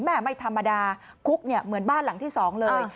แหม่งไม่ธรรมดาคุกเหมือนบ้านหลังที่๒เลย